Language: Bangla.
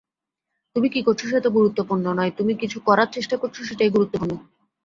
তুমি কি করছ সেটা গুরুত্বপূর্ণ নয় তুমি কিছু করার চেষ্টা করছো সেটাই গুরুত্বপূর্ণ।